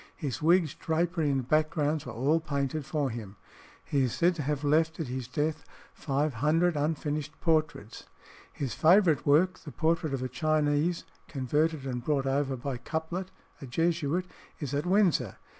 His wigs, drapery, and backgrounds were all painted for him. He is said to have left at his death 500 unfinished portraits. His favourite work, the portrait of a Chinese converted and brought over by Couplet, a Jesuit, is at Windsor.